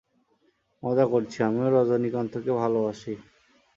মজা করছি, আমিও রজনীকান্তকে ভালবাসি।